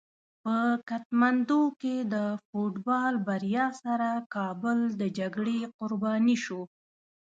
په کتمندو کې د فوټبال بریا سره کابل د جګړې قرباني شو.